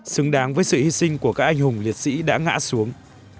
xứng đáng với sự hy sinh của các anh hùng liệt sĩ đã ngã xuống